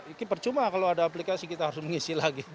ini percuma kalau ada aplikasi kita harus mengisi lagi